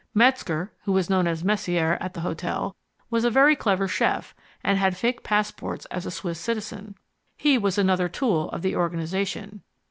Metzger, who was known as Messier at the hotel, was a very clever chef, and had fake passports as a Swiss citizen. He was another tool of the organization.